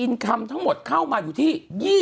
คุณหนุ่มกัญชัยได้เล่าใหญ่ใจความไปสักส่วนใหญ่แล้ว